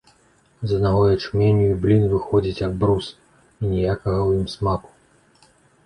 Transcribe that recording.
З аднаго ячменю й блін выходзіць як брус, і ніякага ў ім смаку.